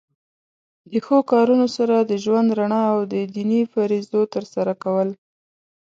د ښو کارونو سره د ژوند رڼا او د دینی فریضو تر سره کول.